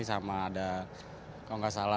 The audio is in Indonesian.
sama ada kalau nggak salah